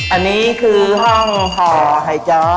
อันนี้คือห้องห่อไข่จ้อ